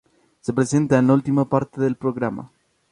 Se presenta en la última parte del programa.